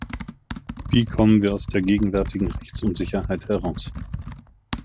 Wie kommen wir aus der gegenwärtigen Rechtsunsicherheit heraus?